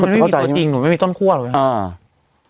ค่ะเพราะมันไม่มีตัวจริงหรือไม่มีต้นคั่วหรืออะไรอ่า